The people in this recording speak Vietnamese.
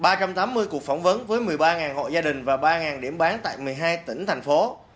bảy ba trăm linh phiếu đạt chuẩn ba trăm tám mươi cuộc phỏng vấn với một mươi ba hội gia đình và ba điểm bán tại một mươi hai tỉnh thành phố